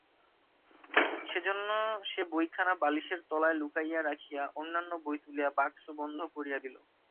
সেজন্য সে বইখানা বালিশের তলায় লুকাইয়া রাখিয়া অন্যান্য বই তুলিয়া বাক্স বন্ধ করিয়া দিল।